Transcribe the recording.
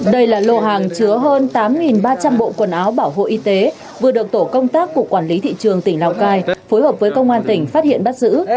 đây là lô hàng chứa hơn tám ba trăm linh bộ quần áo bảo hộ y tế vừa được tổ công tác của quản lý thị trường tỉnh lào cai phối hợp với công an tỉnh phát hiện bắt giữ